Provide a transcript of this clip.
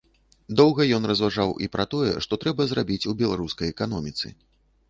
Доўга ён разважаў і пра тое, што трэба зрабіць у беларускай эканоміцы.